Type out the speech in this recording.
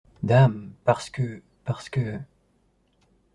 Dame !… parce que… parce que…